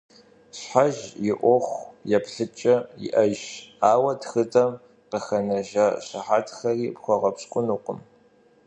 Щхьэж и ӏуэху еплъыкӏэ иӏэжщ, ауэ тхыдэм къыхэнэжа щыхьэтхэри пхуэгъэпщкӏунукъым.